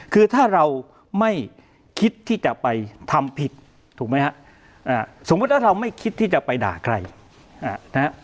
คือถ้าเราไม่คิดที่จะไปทำผิดถูกไหมฮะสมมุติถ้าเราไม่คิดที่จะไปด่าใครนะฮะ